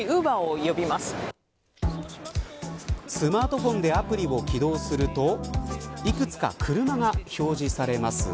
スマートフォンでアプリを起動するといくつか車が表示されます。